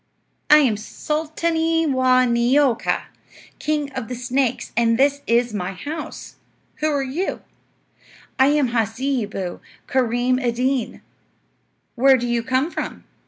"I am Sulta'nee Waa' Neeo'ka, king of the snakes, and this is my house. Who are you?" "I am Hasseeboo Kareem Ed Deen." "Where do you come from?"